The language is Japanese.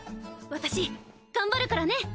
私頑張るからね！